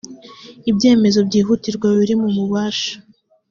ibyemezo byihutirwa biri mu bubasha